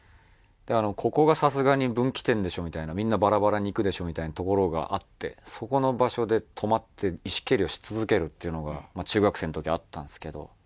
ここがさすがに分岐点でしょみたいなみんなバラバラに行くでしょみたいな所があってそこの場所で止まって石蹴りをし続けるっていうのが中学生の時あったんですけど。